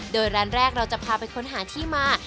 โดยร้านแรกเราจะพาไปค้นหาที่มา